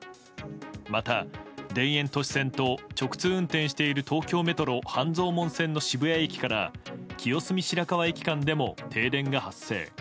また、田園都市線と直通運転している東京メトロ半蔵門線の渋谷駅から清澄白河駅間でも停電が発生。